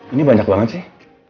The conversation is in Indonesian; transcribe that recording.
ini banyak banget sih